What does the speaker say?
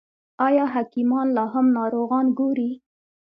آیا حکیمان لا هم ناروغان ګوري؟